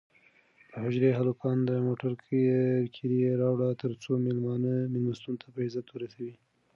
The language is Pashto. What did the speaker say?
د حجرې هلکانو د موټر کیلي راوړه ترڅو مېلمانه مېلمستون ته په عزت ورسوي.